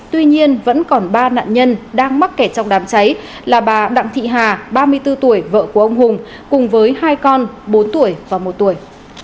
tuy nhiên vẫn còn ba nạn nhân đang mắc kẻ trong đám cháy là bà đặng thị hà ba mươi bốn tuổi vợ của ông hùng cùng với hai con bốn tuổi và một tuổi